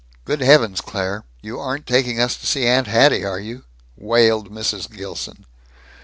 "Good heavens, Claire, you aren't taking us to see Aunt Hatty, are you?" wailed Mrs. Gilson.